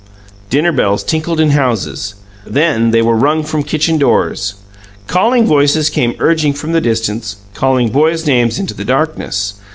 Dinner bells tinkled in houses. Then they were rung from kitchen doors. Calling voices came urging from the distance, calling boys' names into the darkness.